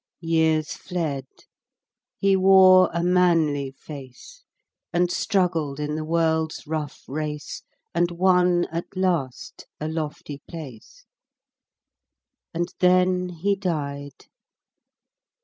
Years fled; he wore a manly face, And struggled in the world's rough race, And won at last a lofty place. And then he died!